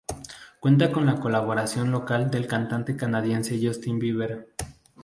Cuenta con la colaboración vocal del cantante canadiense Justin Bieber.